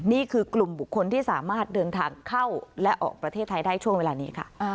นี่คือกลุ่มบุคคลที่สามารถเดินทางเข้าและออกประเทศไทยได้ช่วงเวลานี้ค่ะ